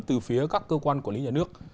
từ phía các cơ quan quản lý nhà nước